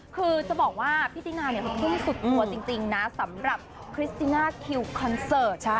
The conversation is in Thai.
คือจะบอกว่าพี่ตินาเนี่ยเขาขึ้นสุดตัวจริงนะสำหรับคริสติน่าคิวคอนเสิร์ต